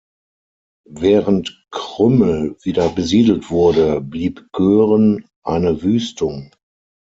Während Krümmel wieder besiedelt wurde, blieb Göhren eine Wüstung.